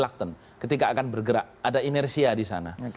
acton ketika akan bergerak ada inersia di sana